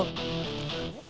pak usam itu